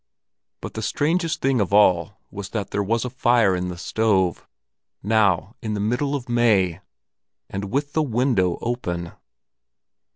But the strangest thing of all was that there was a fire in the stove, now, in the middle of May, and with the window open!